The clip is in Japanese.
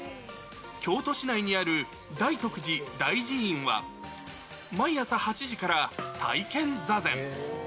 京都市内にある大徳寺大慈院は毎朝８時から体験座禅。